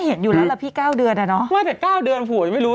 เห็นอยู่แล้วล่ะพี่เก้าเดือนอ่ะเนอะไม่แต่เก้าเดือนผัวยังไม่รู้